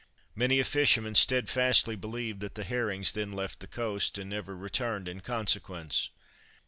Many a fisherman steadfastly believed that the herrings then left the coast, and never returned in consequence.